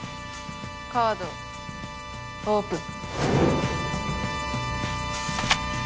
カードオープン。